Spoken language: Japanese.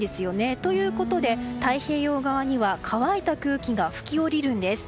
ということで、太平洋側には乾いた空気が吹き降りるんです。